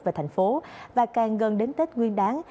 về thành phố và càng gần đến tết nguyên đáng